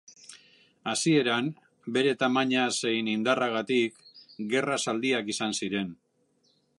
Hasieran, bere tamaina zein indarragatik, gerra zaldiak izan ziren.